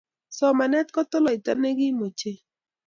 Somanet kotoloita me kiim ochei